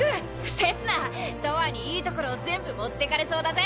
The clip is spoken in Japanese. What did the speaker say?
せつなとわにいいところを全部持ってかれそうだぜ！